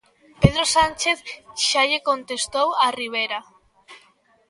Pedro Sánchez xa lle contestou a Rivera.